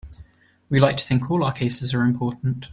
We like to think all our cases are important.